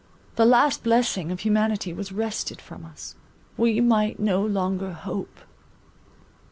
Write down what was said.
The last blessing of humanity was wrested from us; we might no longer hope.